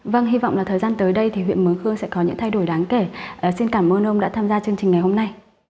vâng hy vọng là thời gian tới đây thì huyện mường khương sẽ có những thay đổi đáng kể xin cảm ơn ông đã tham gia chương trình ngày hôm nay